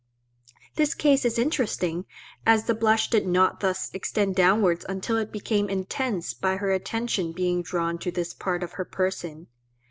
This case is interesting, as the blush did not thus extend downwards until it became intense by her attention being drawn to this part of her person.